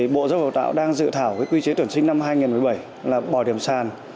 bộ giáo dục tạo đang dự thảo quy chế tuyển sinh năm hai nghìn một mươi bảy là bỏ điểm sàn